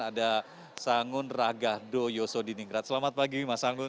ada sangun ragahdo yosodiningrat selamat pagi mas sangun